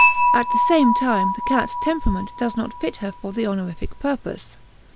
At the same time the cat's temperament does not fit her for the honorific purpose.